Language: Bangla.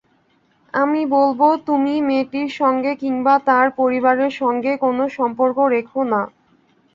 আমি বলব, তুমি মেয়েটির সঙ্গে কিংবা তার পরিবারের সঙ্গে কোনো সম্পর্ক রেখো না।